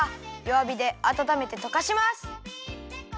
わびであたためてとかします。